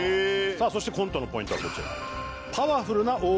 さあそしてコントのポイントはこちら。